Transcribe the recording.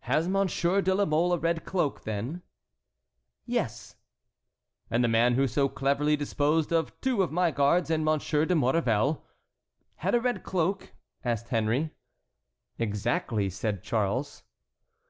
"Has Monsieur de la Mole a red cloak, then?" "Yes." "And the man who so cleverly disposed of two of my guards and Monsieur de Maurevel"— "Had a red cloak?" asked Henry. "Exactly," said Charles.